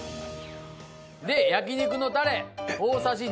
で焼肉のタレ大さじ２を入れ。